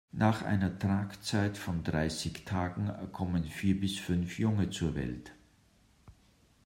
Nach einer Tragzeit von dreißig Tagen kommen vier bis fünf Junge zur Welt.